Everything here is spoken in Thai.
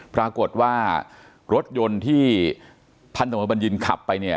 ปรากฏว่ารถยนต์ที่พันธมบัญญินขับไปเนี่ย